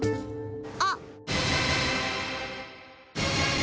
あっ！